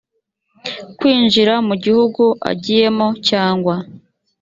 kwinjira mu gihugu agiyemo cyangwa